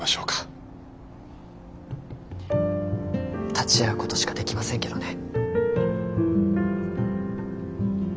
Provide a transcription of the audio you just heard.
立ち会う事しかできませんけどね。